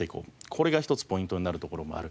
これが一つポイントになるところもある。